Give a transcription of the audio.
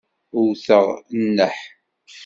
Wteɣ nneḥ.